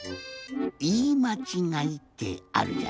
いいまちがいってあるじゃない？